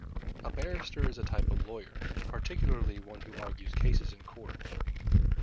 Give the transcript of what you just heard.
A barrister is a type of lawyer, particularly one who argues cases in court